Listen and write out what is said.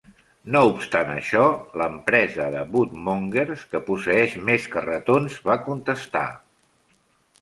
No obstant això, l"empresa de Woodmongers, que posseeix més carretons, va contestar.